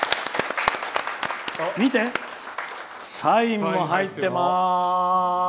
見て、サインも入ってまーす。